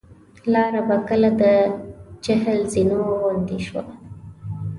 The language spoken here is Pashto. لاره به کله د چهل زینو غوندې شوه.